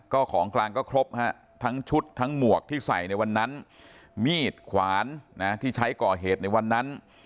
ก็ของกลางก็ครบฮะทั้งชุดทั้งหมวกที่ใส่ในวันนั้นมีดขวานนะที่ใช้ก่อเหตุในวันนั้น